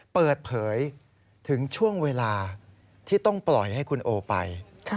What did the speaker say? เปิดเผยถึงช่วงเวลาที่ต้องปล่อยให้คุณโอไป